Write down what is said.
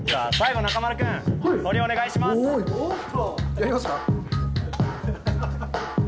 やりますか？